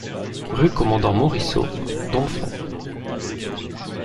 Rue Commandant Moriceau, Domfront